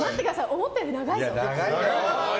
思ったより長いぞ。